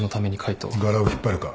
ガラを引っ張るか？